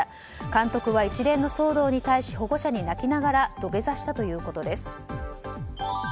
監督は一連の騒動に対し保護者に泣きながら土下座したということです。